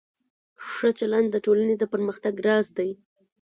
ښه چلند د ټولنې د پرمختګ راز دی.